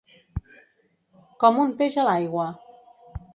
Com un peix a l'aigua.